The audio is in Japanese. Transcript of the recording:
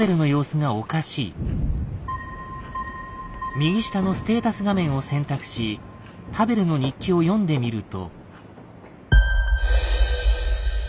右下のステータス画面を選択しパヴェルの日記を読んでみると。